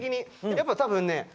やっぱ多分ね